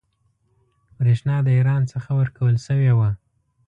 برېښنا د ایران څخه ورکول شوې وه.